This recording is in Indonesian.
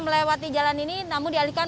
melewati jalan ini namun dialihkan